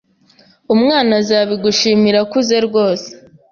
umwana azabigushimira akuze rwose.